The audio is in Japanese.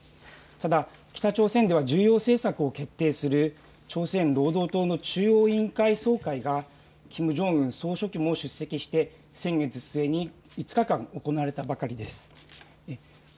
ただ北朝鮮では重要政策を決定する朝鮮労働党の中央委員会総会がキム・ジョンウン総書記も出席して先月末に５日間行われたばかりです。